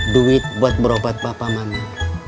duit buat berobat papa mana